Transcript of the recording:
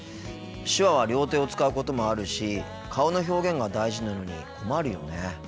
手話は両手を使うこともあるし顔の表現が大事なのに困るよね。